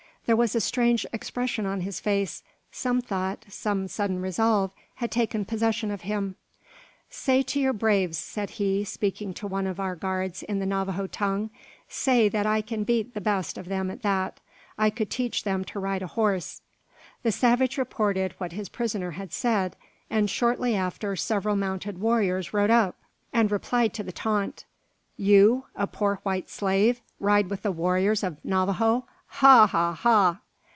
There was a strange expression on his face; some thought, some sudden resolve, had taken possession of him. "Say to your braves," said he, speaking to one of our guards in the Navajo tongue; "say that I can beat the best of them at that. I could teach them to ride a horse." The savage reported what his prisoner had said, and shortly after several mounted warriors rode up, and replied to the taunt. "You! a poor white slave, ride with the warriors of Navajo! Ha! ha! ha!"